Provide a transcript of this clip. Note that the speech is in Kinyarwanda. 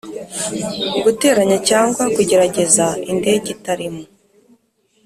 Guteranya cyangwa kugerageza indege itarimo